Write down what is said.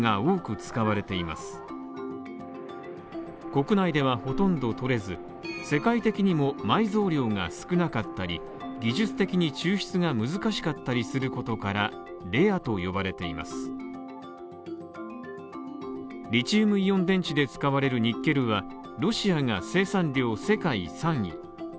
国内ではほとんどとれず世界的にも、埋蔵量が少なかったり、技術的に抽出が難しかったりすることから、レアと呼ばれてますリチウムイオン電池で使われるニッケルは、ロシアが生産量世界３位。